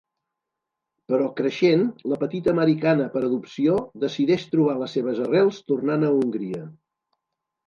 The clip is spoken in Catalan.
Però creixent, la petita americana per adopció decideix trobar les seves arrels tornant a Hongria.